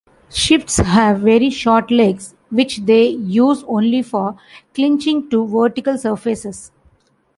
Swifts have very short legs which they use only for clinging to vertical surfaces.